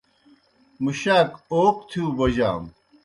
مُشاک اوق تِھیؤ بوجانوْ۔